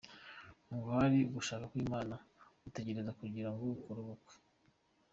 Ngo hari ugushaka kw’Imana ategereje kugirango akore ubukwe